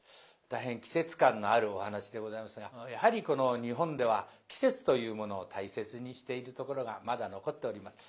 大変季節感のあるお噺でございますがやはりこの日本では季節というものを大切にしているところがまだ残っております。